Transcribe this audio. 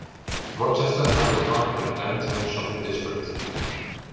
Rochester has a vibrant downtown shopping district.